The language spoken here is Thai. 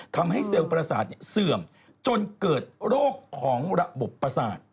ทำให้เซลล์ประสาทเสื่อมจนเกิดโรคของระบบประสาท